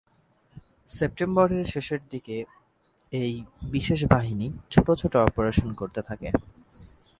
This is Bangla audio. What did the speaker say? সেপ্টেম্বরের শেষের দিকে এ-ই বিশেষ বাহিনী ছোট ছোট অপারেশন করতে থাকে।